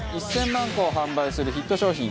１０００万個を販売するヒット商品。